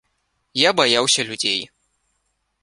Я баяўся людзей.